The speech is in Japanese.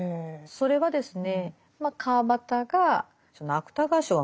それはですね